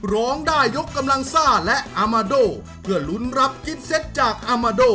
ร้องได้ยกกำลังซ่าและอามาโดเพื่อลุ้นรับกิฟเซ็ตจากอามาโด